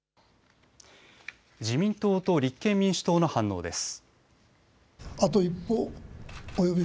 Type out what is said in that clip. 自民党と立憲民主党の反応です。